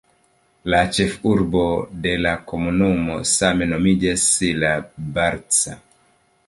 La ĉefurbo de la komunumo same nomiĝas "La Barca".